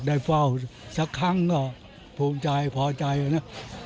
ได้เฝ้าสักครั้งก็ภูมิใจพอใจนะ